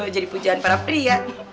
jadi pujaan para pria